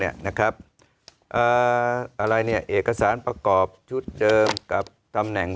เนี้ยนะครับเอ่ออะไรเนี้ยเอกสารประกอบชุดเดิมกับตำแหน่ง